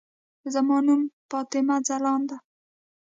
زما نوم فاطمه ځلاند ده.